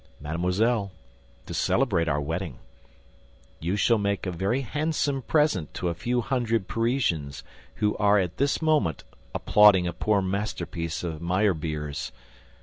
Mademoiselle, to celebrate our wedding, you shall make a very handsome present to a few hundred Parisians who are at this moment applauding a poor masterpiece of Meyerbeer's